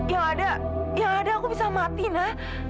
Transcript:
yang ada yang ada aku bisa mati na